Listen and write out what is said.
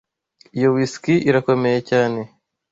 Iyo whisky irakomeye cyane.